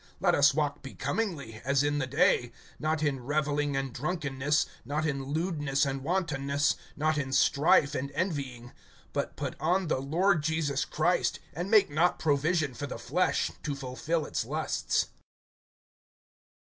(13)Let us walk becomingly, as in the day; not in reveling and drunkenness, not in lewdness and wantonness, not in strife and envying; (14)but put on the Lord Jesus Christ, and make not provision for the flesh, to fulfill its lusts.